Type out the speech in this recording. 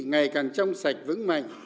ngày càng trong sạch vững mạnh